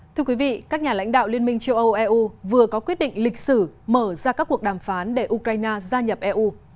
thưa quý vị các nhà lãnh đạo liên minh châu âu eu vừa có quyết định lịch sử mở ra các cuộc đàm phán để ukraine gia nhập eu